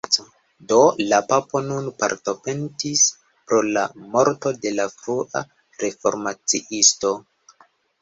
Do, la papo nun pardonpetis pro la morto de la frua reformaciisto.